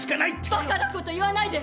バカな事言わないで！！